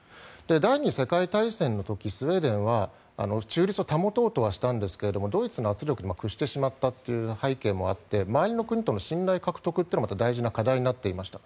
第２次世界大戦の時スウェーデンは中立を保とうとはしたんですがドイツの圧力に屈してしまったという背景もあって周りの国との信頼獲得もまた大事な課題になっていました。